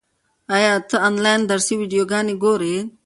ایا ته آنلاین درسي ویډیوګانې ګورې؟